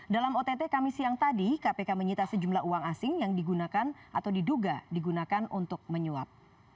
dalam ott kami siang tadi kpk menyita sejumlah uang asing yang digunakan atau diduga digunakan untuk menyuap